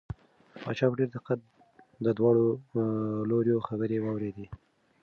پاچا په ډېر دقت د دواړو لوریو خبرې واورېدې.